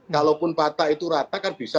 kalaupun patah itu rata kan bisa